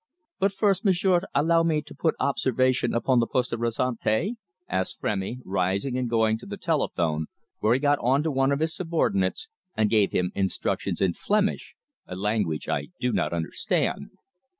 "But first, m'sieur, allow me to put observation upon the Poste Restante?" asked Frémy, rising and going to the telephone, where he got on to one of his subordinates, and gave him instructions in Flemish, a language I do not understand.